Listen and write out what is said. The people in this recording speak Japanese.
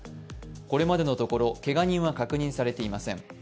これまでのところ、けが人は確認されていません。